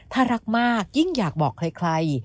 ถ้ารักมากยิ่งอยากบอกใคร